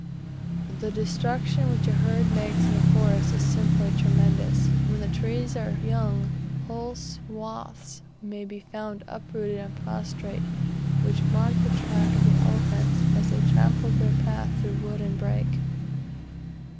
The destruction which a herd makes in a forest is simply tremendous. When the trees are young whole swathes may be found uprooted and prostrate, which mark the track of the elephants as they "trampled their path through wood and brake."